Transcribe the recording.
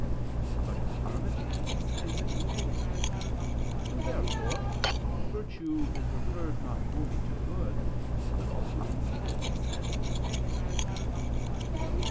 But infirmity is an evil. Therefore virtue is referred not only to good, but also to evil.